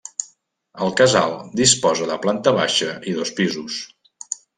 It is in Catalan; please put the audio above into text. El casal disposa de planta baixa i dos pisos.